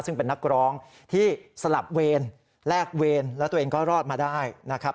ซึ่งเป็นนักร้องที่สลับเวรแลกเวรแล้วตัวเองก็รอดมาได้นะครับ